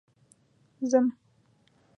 ځم